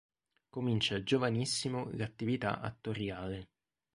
Comincia giovanissimo l'attività attoriale.